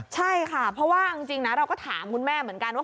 ใช่ค่ะเพราะว่าจริงนะเราก็ถามคุณแม่เหมือนกันว่า